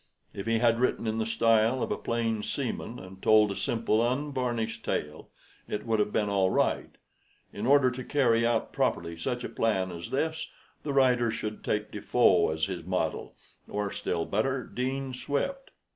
If he had written in the style of a plain seaman, and told a simple unvarnished tale, it would have been all right. In order to carry out properly such a plan as this the writer should take Defoe as his model, or, still better, Dean Swift.